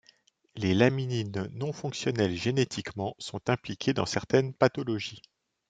Les laminines non fonctionnelles génétiquement sont impliquées dans certaines pathologies.